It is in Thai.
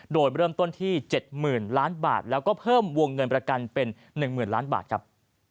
โดยเริ่มต้นที่๗๐๐๐ล้านบาทแล้วก็เพิ่มวงเงินประกันเป็น๑๐๐๐ล้านบาทครับ